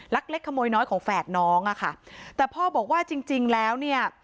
ลักเล็กขโมยน้อยของแฝดน้องแต่พ่อบอกว่าจริงแล้ว